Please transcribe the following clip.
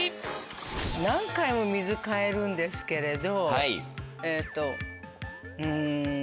何回も水替えるんですけれど。